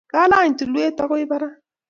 Kalany tulwet akoi barak